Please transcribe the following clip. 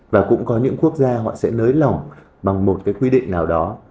và cũng có những quốc gia họ sẽ nới lỏng bằng một cái quy định nào đó